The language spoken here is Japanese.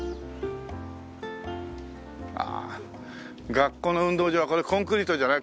学校の運動場はこれコンクリートじゃない？